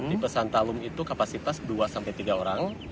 tipe santalum itu kapasitas dua tiga orang